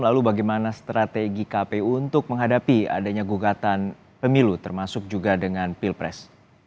lalu bagaimana strategi kpu untuk menghadapi adanya gugatan pemilu termasuk juga dengan pilpres